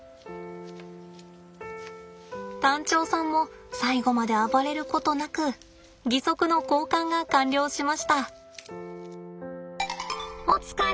タンチョウさんも最後まで暴れることなく義足の交換が完了しました。